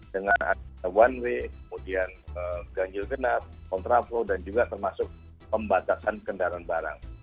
dengan ada one way kemudian ganjil genap kontraflow dan juga termasuk pembatasan kendaraan barang